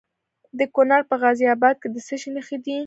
د کونړ په غازي اباد کې د څه شي نښې دي؟